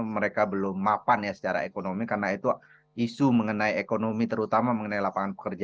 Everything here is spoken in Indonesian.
mereka belum mapan ya secara ekonomi karena itu isu mengenai ekonomi terutama mengenai lapangan pekerjaan